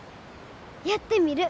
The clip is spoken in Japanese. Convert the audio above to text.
やってみる。